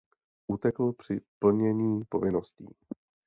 Utekl při plnění povinností.